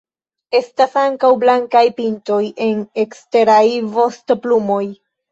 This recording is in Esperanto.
Estas ankaŭ blankaj pintoj en eksteraj vostoplumoj.